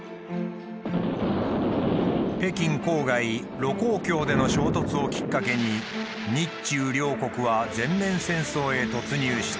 北京郊外盧溝橋での衝突をきっかけに日中両国は全面戦争へ突入した。